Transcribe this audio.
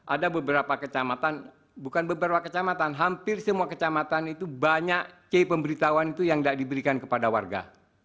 ada beberapa kecamatan bukan beberapa kecamatan hampir semua kecamatan itu banyak k pemberitahuan itu yang tidak diberikan kepada warga